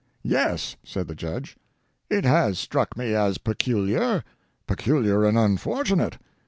"Yes," said the Judge, "it has struck me as peculiar. Peculiar and unfortunate.